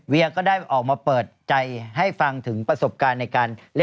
เวียเล่นหนังแก่